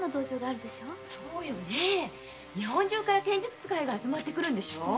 日本中から剣術使いが集まってくるんでしょう。